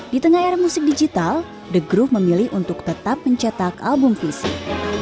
di tengah era musik digital the groove memilih untuk tetap mencetak album fisik